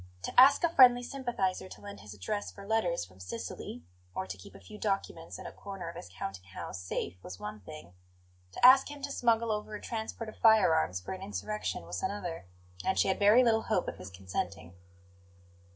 To ask a friendly sympathizer to lend his address for letters from Sicily or to keep a few documents in a corner of his counting house safe was one thing; to ask him to smuggle over a transport of firearms for an insurrection was another; and she had very little hope of his consenting.